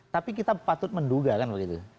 tapi kita patut menduga kan begitu